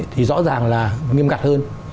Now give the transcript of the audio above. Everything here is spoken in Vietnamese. thì rõ ràng là nghiêm ngặt hơn